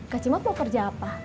kak cimat mau kerja apa